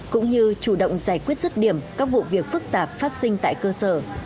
cũng như chủ động giải quyết rứt điểm các vụ việc phức tạp phát sinh tại cơ sở